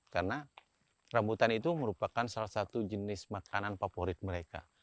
karena rambutan itu merupakan salah satu jenis makanan favorit mereka